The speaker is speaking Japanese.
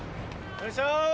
お願いします！